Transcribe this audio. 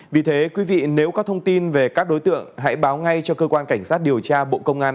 vì thế quý vị nếu có thông tin về các đối tượng hãy báo ngay cho cơ quan cảnh sát điều tra bộ công an